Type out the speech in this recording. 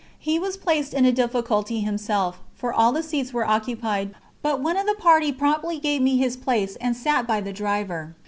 He was placed in a difficulty himself, for all the seats were occupied, but one of the party promptly gave me his place and sat by the driver.